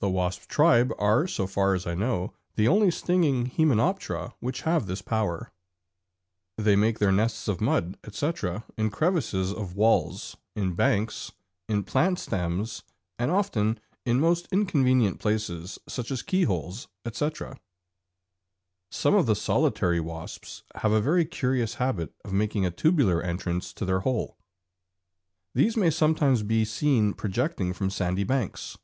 The wasp tribe are, so far as I know, the only stinging Hymenoptera which have this power. [Illustration: FIG. 5.] They make their nests of mud, etc., in crevices of walls, in banks, in plant stems, and often in most inconvenient places, such as keyholes, etc. Some of the solitary wasps have a very curious habit of making a tubular entrance to their hole. These may sometimes be seen projecting from sandy banks.